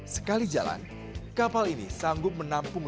sekali jalan kapal ini sanggup menampung